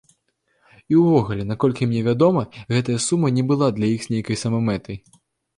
І ўвогуле, наколькі мне вядома, гэтая сума не была для іх нейкай самамэтай.